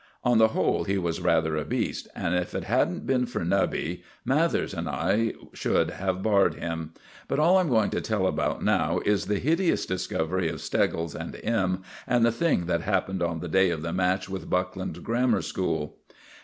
On the whole he was rather a beast, and, if it hadn't been for Nubby, Mathers and I should have barred him. But all I'm going to tell about now is the hideous discovery of Steggles and M., and the thing that happened on the day of the match with Buckland Grammar School.